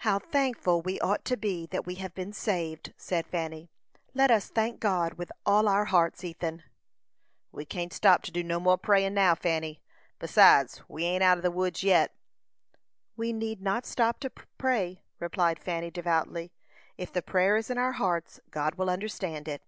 "How thankful we ought to be that we have been saved!" said Fanny. "Let us thank God with all our hearts, Ethan." "We can't stop to do no more prayin' now, Fanny. Besides, we ain't out o' the woods yet." "We need not stop to pray," replied Fanny, devoutly. "If the prayer is in our hearts, God will understand it."